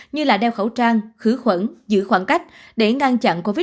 như là đeo khẩu trang khứ khuẩn giữ khoảng cách để ngăn chặn covid một mươi chín